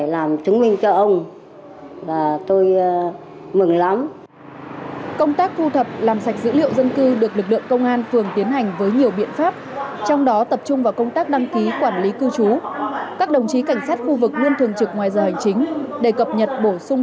làm căn cước công dân gắn chip cho người dân